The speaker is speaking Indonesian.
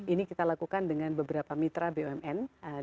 ini kita lakukan dengan beberapa mitra bumn